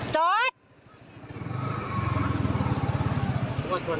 จอร์ธ